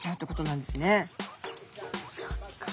そっか。